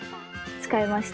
使いました。